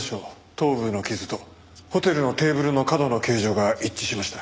頭部の傷とホテルのテーブルの角の形状が一致しました。